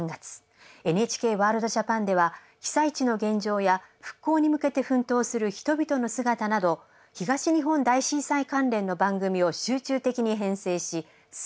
「ＮＨＫワールドＪＡＰＡＮ」では被災地の現状や復興に向けて奮闘する人々の姿など東日本大震災関連の番組を集中的に編成し世界に発信します。